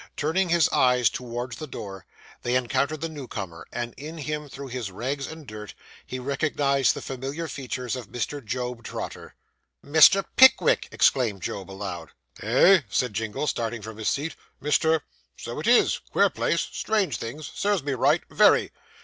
Turning his eyes towards the door, they encountered the new comer; and in him, through his rags and dirt, he recognised the familiar features of Mr. Job Trotter. 'Mr. Pickwick!' exclaimed Job aloud. 'Eh?' said Jingle, starting from his seat. 'Mr ! So it is queer place strange things serves me right very.